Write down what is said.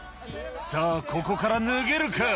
さぁここから脱げるか？